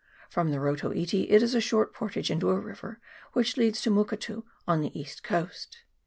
From the Rotu iti it is a short portage into a river which leads to Muketu on the east coast.